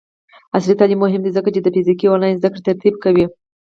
عصري تعلیم مهم دی ځکه چې د فزیکي او آنلاین زدکړې ترکیب کوي.